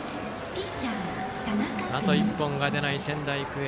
あと１本が出ない仙台育英。